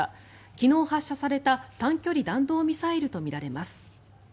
昨日発射された短距離弾道ミサイルとみられます。